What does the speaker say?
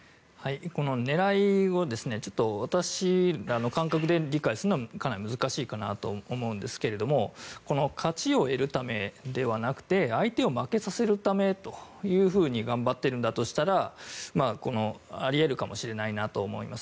この狙いを私らの感覚で理解するのはかなり難しいかなと思うんですが勝ちを得るためではなくて相手を負けさせるために頑張っているとしたらあり得るかもしれないなと思います。